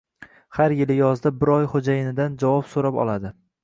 Har yili yozda bir oy xoʻjayinidan javob soʻrab oladi.